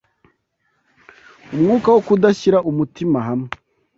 umwuka wo kudashyira umutima hamwe